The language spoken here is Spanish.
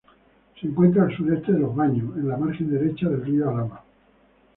Se encuentra al sureste de los Baños, en la margen derecha del río Alhama.